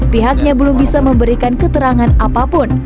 pihaknya belum bisa memberikan keterangan apapun